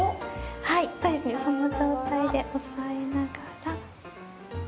その状態で押さえながら。